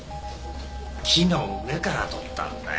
木の上から撮ったんだよ